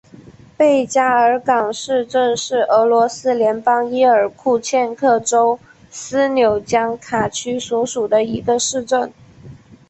贝加尔港市镇是俄罗斯联邦伊尔库茨克州斯柳江卡区所属的一个市镇。